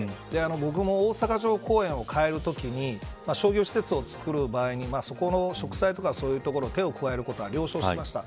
僕も大阪城公園を変えるときに商業施設を造る場合にそこの植栽とか手を加えることは了承しました。